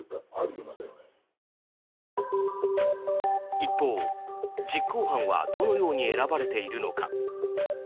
一方、実行犯はどのように選ばれているのか。